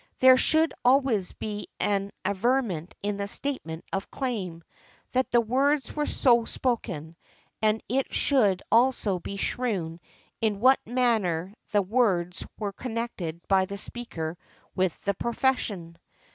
There should always be an averment in the statement of claim, that the words were so spoken, and it should also be shewn in what manner the words were connected by the speaker with the profession .